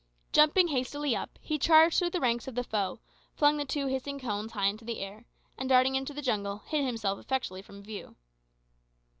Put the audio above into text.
Jumping hastily up, he charged through the ranks of the foe, flung the two hissing cones high into the air, and darting into the jungle, hid himself effectually from view.